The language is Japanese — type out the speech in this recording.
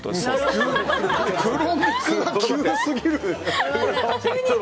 急すぎる！